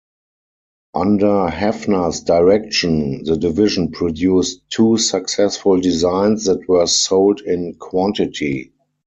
Under Hafner's direction, the division produced two successful designs that were sold in quantity.